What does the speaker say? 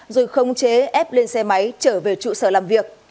rồi khống chế ép lên xe máy trở về trụ sở làm việc